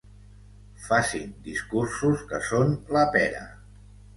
Facin discursos que són la pera.